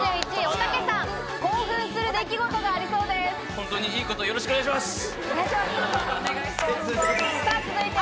本当にいいこと、よろしくお願いします。